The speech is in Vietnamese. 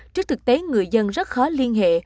trước thực tế người dân rất khó liên hệ